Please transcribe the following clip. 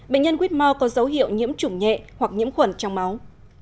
bệnh nhân whitmore có dấu hiệu nhiễm chủng nhẹ hoặc nhiễm khuẩn trong máu